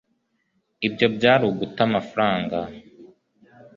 ibyo byari uguta amafaranga